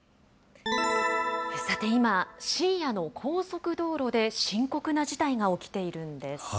さて今、深夜の高速道路で深刻な事態が起きているんです。